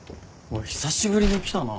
久しぶりに来たな。